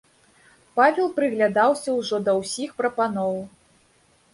Павел прыглядаўся ўжо да ўсіх прапаноў.